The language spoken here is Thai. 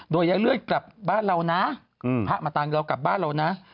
โดยยายเลือดกลับบ้านเรานะพระมาตามเรากลับบ้านเรานะ